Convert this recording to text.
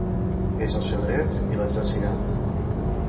És el seu dret, i l’exerciran.